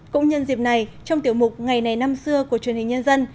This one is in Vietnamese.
cũng nhân dịp này trong tiểu mục ngày này năm xưa của truyền hình nhân dân